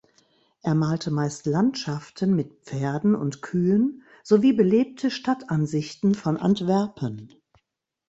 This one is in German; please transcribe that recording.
Er malte meist Landschaften mit Pferden und Kühen sowie belebte Stadtansichten von Antwerpen.